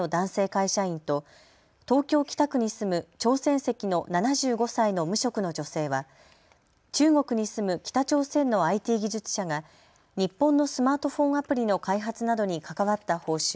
会社員と東京北区に住む朝鮮籍の７５歳の無職の女性は、中国に住む北朝鮮のＩＴ技術者が日本のスマートフォンアプリの開発などに関わった報酬